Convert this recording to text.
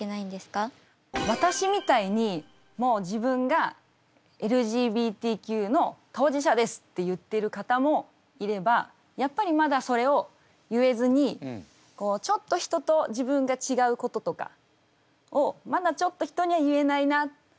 私みたいにもう自分がＬＧＢＴＱの当事者ですって言ってる方もいればやっぱりまだそれを言えずにちょっと人と自分が違うこととかをまだちょっと人には言えないな